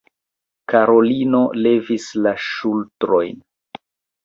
Karolino levis la ŝultrojn.